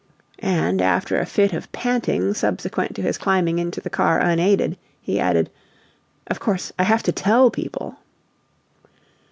And after a fit of panting subsequent to his climbing into the car unaided, he added, "Of course, I have to TELL people!"